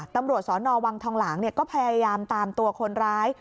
ตำรวจสนวังทองหลางก็พยายามตามตัวคนร้าย